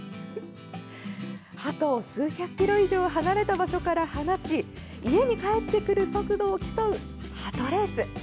はとを数百キロ以上離れた場所から放ち家に帰ってくる速度を競うはとレース。